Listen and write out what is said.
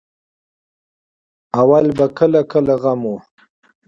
اول به کله کله غم وو.